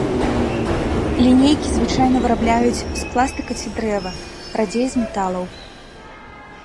Лінейкі звычайна вырабляюць з пластыка ці дрэва, радзей з металаў.